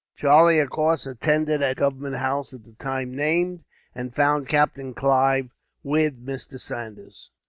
Charlie, of course, attended at Government House at the time named, and found Captain Clive with Mr. Saunders.